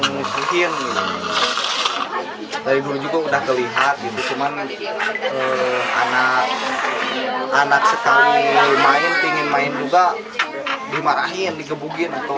cuman anak sekali main ingin main juga dimarahin digebugin